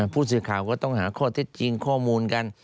ผู้สื่อข่าวก็ต้องหาข้อเท็จจริงข้อมูลกัน